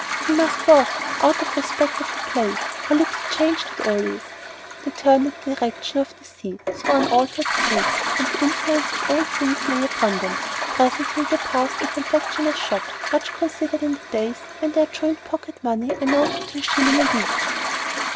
"We must walk, out of respect to the place. How little changed it all is!" They turned in the direction of the sea through unaltered streets, and the influence of old things lay upon them. Presently they passed a confectioner's shop much considered in the days when their joint pocket money amounted to a shilling a week.